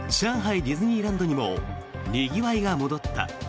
ディズニーランドにもにぎわいが戻った。